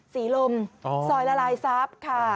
ศรีลมซอยละลายทรัพย์ค่ะ